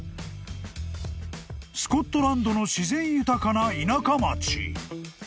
［スコットランドの自然豊かな田舎町］